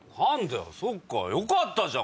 そっかよかったじゃん！